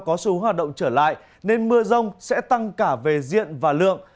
có xu hoạt động trở lại nên mưa rông sẽ tăng cả về diện và lượng